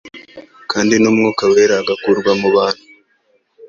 kandi n'Umwuka wera agakurwa mu bantu,